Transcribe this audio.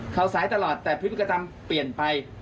เขาซ้ายตลอดแต่พฤติกรรมเปลี่ยนไป